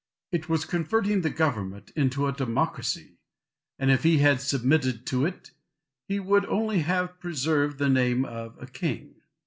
It was converting the government into a democracy; and if he had submitted to it, he would only have preserved the name of a king.